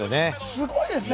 すごいですね！